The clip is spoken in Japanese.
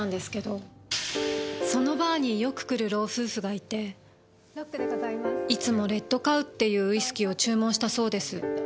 そのバーによく来る老夫婦がいていつも「レッドカウ」っていうウイスキーを注文したそうです。